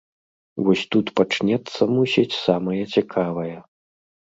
Вось тут пачнецца, мусіць, самае цікавае.